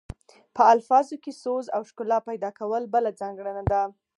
په الفاظو کې سوز او ښکلا پیدا کول بله ځانګړنه ده